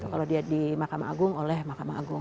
kalau dia di ma oleh ma